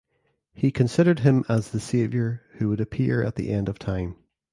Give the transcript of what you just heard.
He considered him as the savior who would appear at the end time.